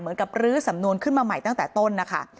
รื้อสำนวนขึ้นมาใหม่ตั้งแต่ต้นนะคะ